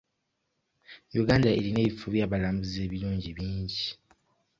Uganda erina ebifo eby'abalambuzi ebirungi bingi.